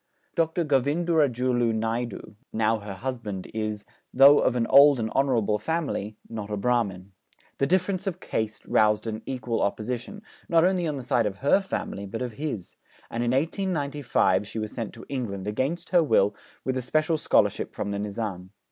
Dr. Govindurajulu Naidu, now her husband, is, though of an old and honourable family, not a Brahmin. The difference of caste roused an equal opposition, not only on the side of her family, but of his; and in 1895 she was sent to England, against her will, with a special scholarship from the Nizam.